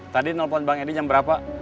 tadi nelpon bang edi jam berapa